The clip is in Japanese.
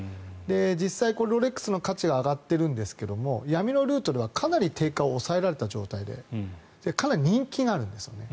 実際、ロレックスの価値が上がってるんですが闇のルートではかなり定価を押さえられた状態でかなり人気があるんですよね。